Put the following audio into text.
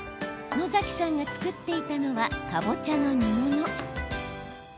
野崎さんが作っていたのはかぼちゃの煮物。